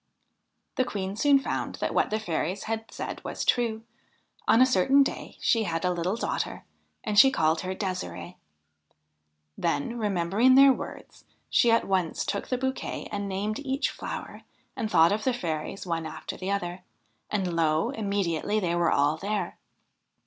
The Queen soon found that what the fairies had said was true. On a certain day she had a little daughter, and she called her Ddsirde. Then, remembering their words, she at once took the bouquet and named each flower and thought of the fairies one after the other, and lo I immediately they were all there.